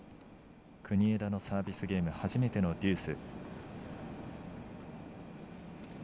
国枝のサービスゲーム初めてのデュース。